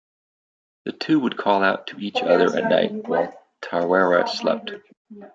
The two would call out to each other at night while Tarawera slept.